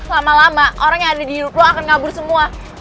lama lama orang yang ada di hidup lo akan ngabur semua